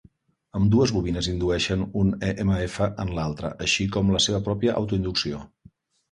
Ambdues bobines indueixen un EMF en l'altra, així com la seva pròpia autoinducció.